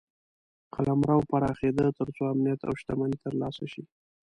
قلمرو پراخېده تر څو امنیت او شتمني ترلاسه شي.